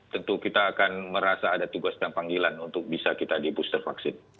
tentu kita akan merasa ada tugas dan panggilan untuk bisa kita di booster vaksin